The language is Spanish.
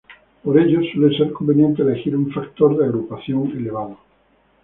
Por ello, suele ser conveniente elegir un factor de agrupación elevado.